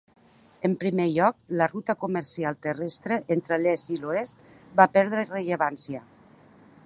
En primer lloc, la ruta comercial terrestre entre l'est i l'oest va perdre rellevància.